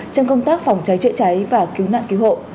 trong công tác phòng cháy chữa cháy và cứu nạn cứu hộ